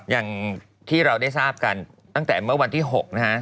อย่างที่เราได้ทราบกันตั้งแต่เมื่อวันที่๖นะฮะ